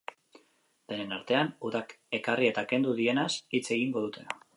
Denen artean, udak ekarri eta kendu dienaz hitz egingo dute.